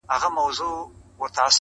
گرانه شاعره صدقه دي سمه~